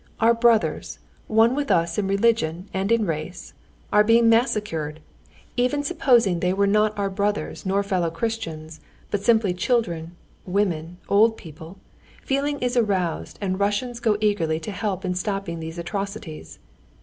Our brothers, one with us in religion and in race, are being massacred. Even supposing they were not our brothers nor fellow Christians, but simply children, women, old people, feeling is aroused and Russians go eagerly to help in stopping these atrocities.